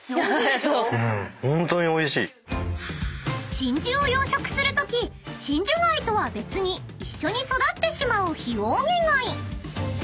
［真珠を養殖するとき真珠貝とは別に一緒に育ってしまうヒオウギ貝］